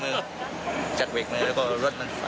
รถมันคลาด